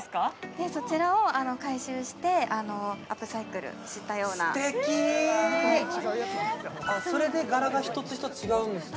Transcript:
でそちらを回収してアップサイクルしたような素敵それで柄が１つ１つ違うんですね